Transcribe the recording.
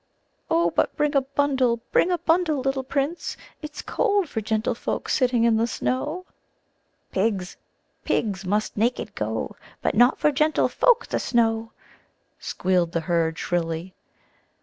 "Oh, but bring a bundle bring a bundle, little Prince. It's cold for gentlefolk sitting in the snow." "Pigs pigs must naked go; but not for gentlefolk the snow," squealed the herd shrilly.